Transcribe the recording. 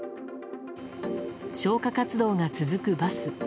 消火活動が続くバス。